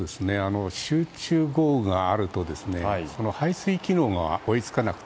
集中豪雨があると排水機能が追い付かない。